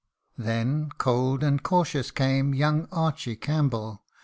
Then, cold and cautious, came young Archy Campbell.